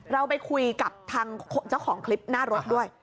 เราไปคุยกับทางเจ้าของคลิปหน้ารถด้วย